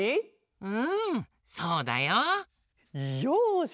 うんそうだよ。よし！